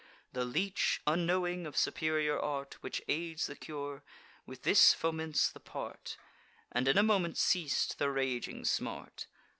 The leech, unknowing of superior art Which aids the cure, with this foments the part; And in a moment ceas'd the raging smart.